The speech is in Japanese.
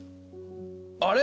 あれ？